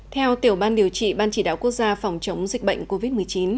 theo tiểu ban điều trị ban chỉ đạo quốc gia phòng chống dịch bệnh covid một mươi chín